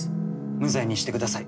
無罪にしてください。